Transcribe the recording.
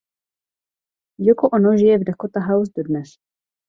Yoko Ono žije v "Dakota House" dodnes.